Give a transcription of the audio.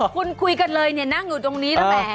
คุณคุยกันเลยเนี่ยนั่งอยู่ตรงนี้แล้วแหม